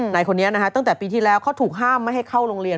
ไหนคนนี้จากปีที่แล้วเขาถูกห้ามให้เข้าโรงเรียน